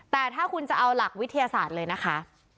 แต่ถ้าคุณจะเอาหลักวิทยาศาสตร์เลยนะคะ